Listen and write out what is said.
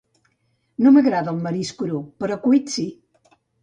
No m'agrada el marisc cru, però cuit sí.